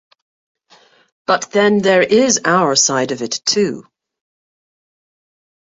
But then, there is our side of it too.